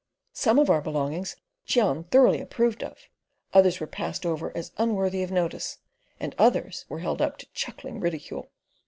Some of our belongings Cheon thoroughly approved of; others were passed over as unworthy of notice; and others were held up to chuckling ridicule.